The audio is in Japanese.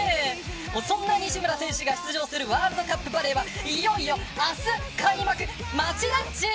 そんな西村選手が出場するワールドカップバレーはいよいよ明日開幕。